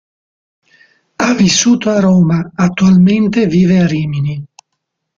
Ha vissuto a Roma, attualmente vive a Rimini.